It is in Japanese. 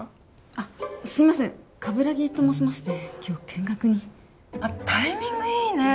あっすいません鏑木と申しまして今日見学にあっタイミングいいね